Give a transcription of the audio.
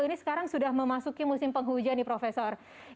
ini sekarang sudah memasuki musim penghujan nih prof cissy